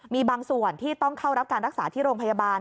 มีบางส่วนที่ต้องเข้ารับการรักษาที่โรงพยาบาล